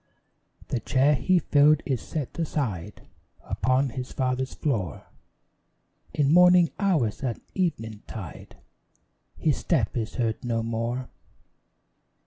The chair he filled is set aside Upon his father's floor; In morning hours, at eventide, His step is heard no more.